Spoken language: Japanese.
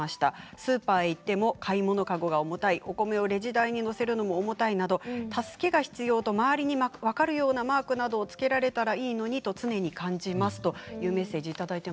スーパーに行っても買い物籠が重たいお米をレジ台に載せるのも重たい助けが必要だと周りに分かるようなマークが付けられたらと常に感じますというメッセージです。